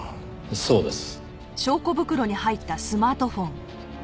そうです。